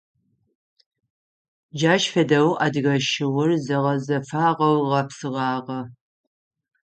Джащ фэдэу адыгэ шыур зэгъэзэфагъэу гъэпсыгъагъэ.